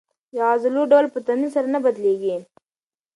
د عضلو ډول په تمرین سره نه بدلېږي.